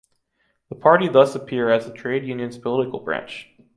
The party thus appear as the trade unions’ political branch.